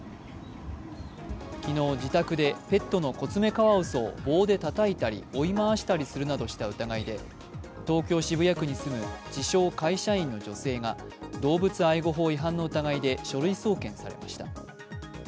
昨日、自宅でペットのコツメカワウソを棒でたたいたり追い回したりするなどした疑いで東京・渋谷区に住む自称会社員の女性が動物愛護法違反の疑いで書類送検されました。